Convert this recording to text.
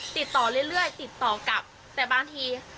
ติดต่อเรื่อยติดต่อกลับแต่บางที